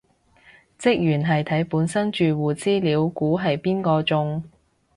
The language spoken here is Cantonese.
職員係睇本身住戶資料估係邊個中